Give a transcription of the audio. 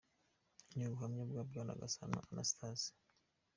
Ni ubuhamya bwa Bwana Gasana Anastase.